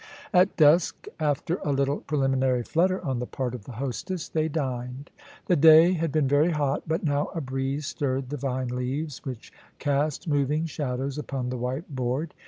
At dusk, after a little preliminary flutter on the part of the hostess, they dined The day had been very hot, but now a breeze stirred the vine leaves, which cast moving shadows upon the white board.